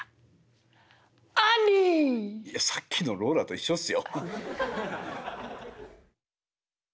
さっきの「ローラ」と一緒っすよ。